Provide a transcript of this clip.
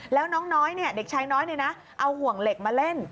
แล้วน้องน้อยเด็กชายน้อยเอาห่วงเหล็กมาเล่น